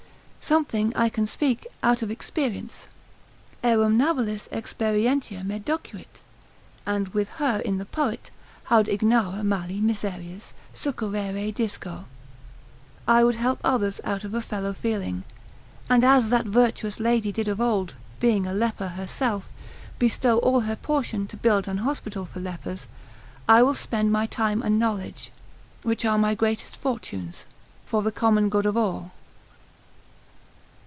Something I can speak out of experience, aerumnabilis experientia me docuit; and with her in the poet, Haud ignara mali miseris succurrere disco; I would help others out of a fellow feeling; and, as that virtuous lady did of old, being a leper herself, bestow all her portion to build an hospital for lepers, I will spend my time and knowledge, which are my greatest fortunes, for the common good of all.